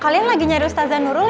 kalian lagi nyari ustazah nurul ya